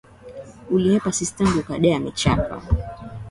Ulihepa sistangu ukadai amechapa.